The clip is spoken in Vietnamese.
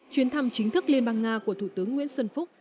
chuyến thăm chính thức liên bang nga của thủ tướng nguyễn xuân phúc